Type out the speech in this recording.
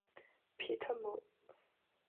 皮特姆。